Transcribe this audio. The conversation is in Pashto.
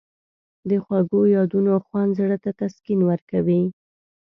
د خوږو یادونو خوند زړه ته تسکین ورکوي.